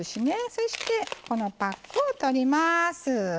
そしてこのパックを取ります。